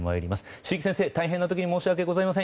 椎木先生、大変な時に申し訳ございません。